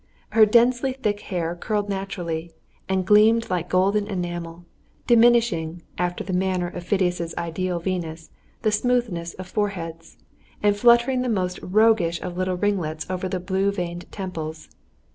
Her densely thick hair curled naturally, and gleamed like golden enamel, diminishing, after the manner of Phidias' ideal Venus, the smoothest of foreheads, and fluttering the most roguish of little ringlets over the blue veined temples.